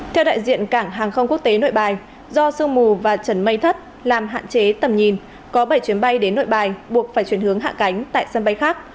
theo đại diện cảng hàng không quốc tế nội bài do sương mù và trần mây thất làm hạn chế tầm nhìn có bảy chuyến bay đến nội bài buộc phải chuyển hướng hạ cánh tại sân bay khác